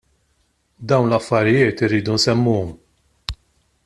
Dawn l-affarijiet irridu nsemmuhom.